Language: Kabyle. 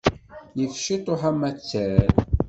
Yif ciṭuḥ amattar.